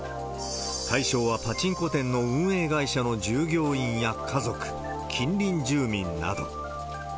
対象はパチンコ店の運営業者の従業員や家族、近隣住民など。